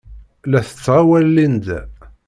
La tettɣawal Linda?